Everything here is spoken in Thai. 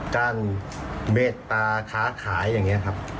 การเมตตาค้าขายอย่างนี้ครับ